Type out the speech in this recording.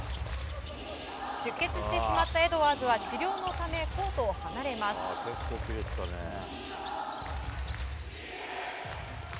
出血してしまったエドワーズは治療のためコートを離れます。